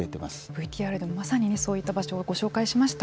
ＶＴＲでもまさにそういった場所をご紹介しました。